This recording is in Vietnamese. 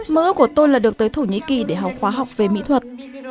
mơ ước của tôi là được tới thổ nhĩ kỳ để học hóa học về mỹ thuật